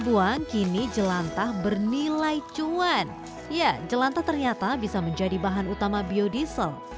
buang kini jelantah bernilai cuan ya jelantah ternyata bisa menjadi bahan utama biodiesel